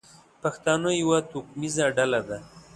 پښتانه یوه توکمیزه ډله ده.